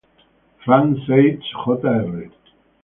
Franz Seitz, Jr.